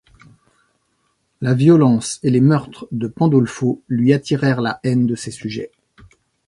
La violence et les meurtres de Pandolfo lui attirèrent la haine de ses sujets.